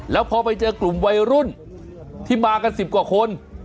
แล้วพอไปเจอกลุ่มวัยรุ่นที่มากัน๑๐กว่าคน